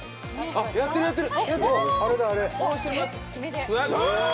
やってるやってる。